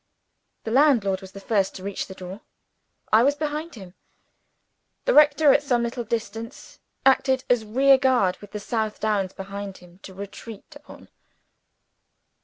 The landlord was the first to reach the door. I was behind him. The rector at some little distance acted as rear guard, with the South Downs behind him to retreat upon.